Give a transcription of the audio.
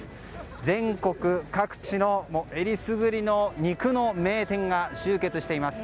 全国各地のえりすぐりの肉の名店が集結しています。